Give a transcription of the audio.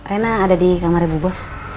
reina ada di kamarnya bu bos